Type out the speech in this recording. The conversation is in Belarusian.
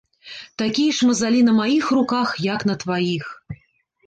Такія ж мазалі на маіх руках, як на тваіх.